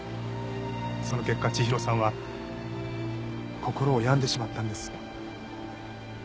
その結果千尋さんは心を病んでしまったんです。